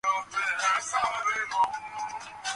নয়তো তোর উপর মার্ডার কেস চাপিযে দেব।